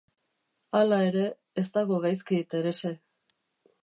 Hala ere, ez dago gaizki, Terese.